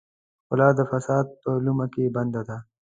ښکلا د فساد په لومه کې بنده ده.